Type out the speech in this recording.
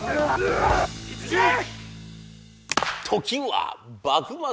時は幕末。